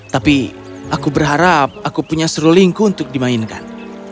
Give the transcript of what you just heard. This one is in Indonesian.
tapi aku berharap aku punya serulingku untuk dimainkan